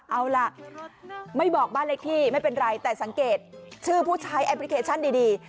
เอาล่ะไม่บอกบ้านเลขที่ไม่เป็นไรแต่สังเกตชื่อผู้ใช้แอปพลิเคชันดี